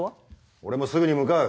俺もすぐに向かう。